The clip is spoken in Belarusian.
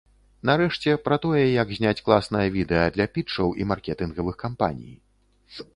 Нарэшце, пра тое, як зняць класнае відэа для пітчаў і маркетынгавых кампаній.